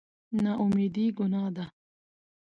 نااميدي ګناه ده